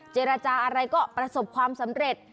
เจรจาอะไรก็ประสบความสำเร็จ